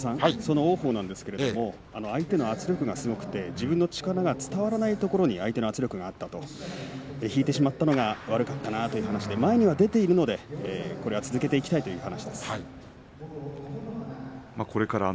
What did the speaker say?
王鵬ですが相手の圧力がすごく自分の力が伝わらないところで相手の圧力があったと引いてしまったのが悪かったなと話して、前には出ているのでこれは続けていきたいと話していました。